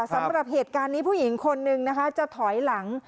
สำหรับเหตุการณ์นี้ผู้หญิงคนนึงนะคะจะถอยหลัง